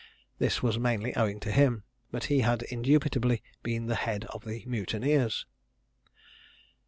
This was mainly owing to him. But he had indubitably been the head of the mutineers.